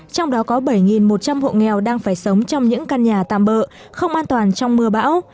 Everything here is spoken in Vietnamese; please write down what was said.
trong đó có bảy một trăm linh hộ nghèo đang phải sống trong những căn nhà tạm bỡ không an toàn trong mưa bão